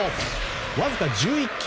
わずか１１球。